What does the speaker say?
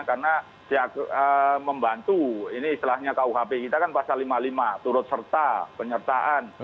karena membantu ini istilahnya kuhp kita kan pasal lima puluh lima turut serta penyertaan